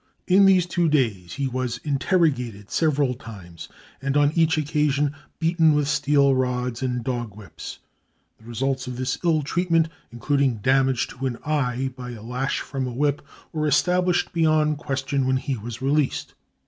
In these two days he was interrogated several times and on each occasion beaten with steel rods and dog whips. The results of this ill treatment, including damage to an eye by a lash from a whip, were established beyond question when he was released.